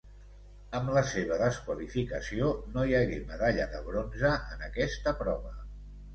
Amb la seva desqualificació no hi hagué medalla de bronze en aquesta prova.